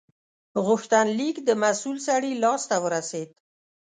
غوښتنلیک د مسول سړي لاس ته ورسید.